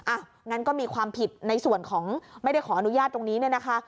งั้นก็มีความผิดในส่วนของไม่ได้ขออนุญาตตรงนี้เนี่ยนะคะ